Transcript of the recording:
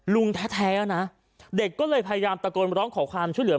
แท้นะเด็กก็เลยพยายามตะโกนร้องขอความช่วยเหลือ